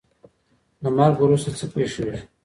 له مرګ وروسته څه پیښیږي؟